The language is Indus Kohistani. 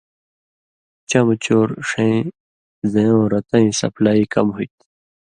چمہۡ چور ݜَیں زیؤں رتَیں سپلائ کم ہُوئ تھی۔